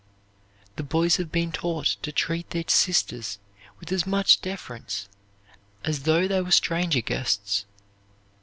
The boys have been taught to treat their sisters with as much deference as though they were stranger guests.